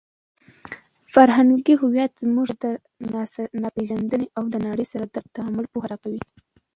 فرهنګي هویت موږ ته د ځانپېژندنې او د نړۍ سره د تعامل پوهه راکوي.